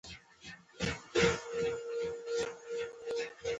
آل مظفر کورنۍ شپېته کاله جنګونه وکړل.